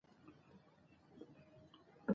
بني اسرائیلو ته واک ورکړل شو خو بنسټونه وساتل شول.